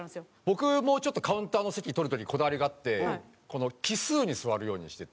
僕もちょっとカウンターの席取る時こだわりがあって奇数に座るようにしてて。